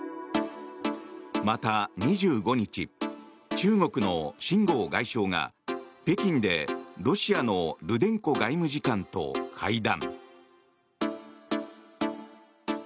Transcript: また、２５日中国の秦剛外相が北京で、ロシアのルデンコ外務次官と会談。